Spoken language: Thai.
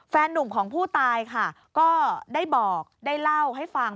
แฟนนุ่มของผู้ตายค่ะก็ได้บอกได้เล่าให้ฟัง